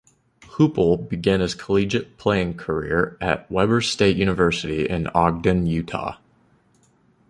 Heupel began his collegiate playing career at Weber State University in Ogden, Utah.